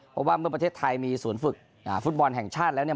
เพราะว่าเมื่อประเทศไทยมีศูนย์ฝึกฟุตบอลแห่งชาติแล้วเนี่ย